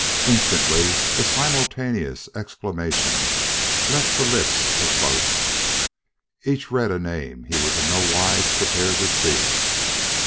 Instantly, a simultaneous exclamation left the lips of both. Each read a name he was in no wise prepared to see.